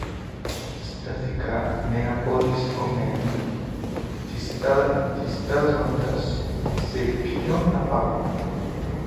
Στάθηκα μ' ένα πόδι σηκωμένο, διστάζοντας σε ποιον να πάγω.